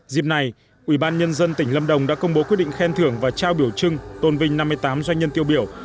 dịp này ủy ban nhân dân tỉnh lâm đồng đã công bố quyết định khen thưởng và trao biểu trưng tôn vinh năm mươi tám doanh nhân tiêu biểu